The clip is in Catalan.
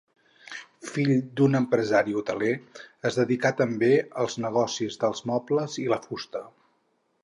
Fill d'un empresari hoteler, es dedicà també als negocis dels mobles i la fusta.